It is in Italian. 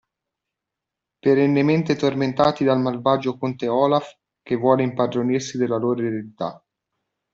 Perennemente tormentati dal malvagio conte Olaf, che vuole impadronirsi della loro eredità.